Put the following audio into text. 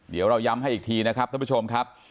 เดี๋ยวเราย้ำให้อีกทีนะครับท่านผู้ชมครับ